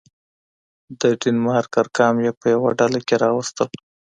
د دنمارک ارقام يې په يوه ډله کي راوستل.